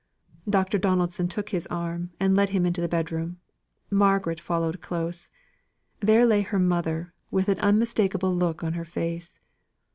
Dr. Donaldson took his arm, and led him into the bedroom. Margaret followed close. There lay her mother, with an unmistakeable look on her face.